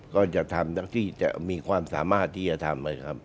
ก็จะทำทั้งที่จะมีความสามารถที่จะทำนะครับ